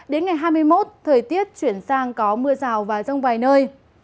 đến ngày hai mươi một thời tiết chuyển sang có mưa rào và rông vài nơi